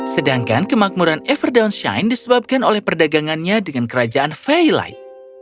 sedangkan kemakmuran everdown shine disebabkan oleh perdagangannya dengan kerajaan vey light